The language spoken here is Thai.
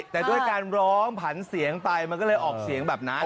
แต่ด้วยการร้องผันเสียงไปมันก็เลยออกเสียงแบบนั้น